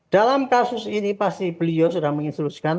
dalam kasus ini pasti beliau sudah menginstruksikan